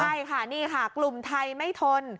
ใช่ค่ะนี่ค่ะกลุ่มไทยไม่ทน